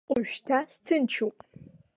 Ожәшьҭа сҭынчуп.